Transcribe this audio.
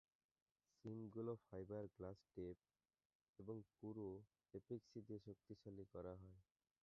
সিমগুলো fibre glass tape এবং পুরু epoxy দিয়ে শক্তিশালী করা হয়।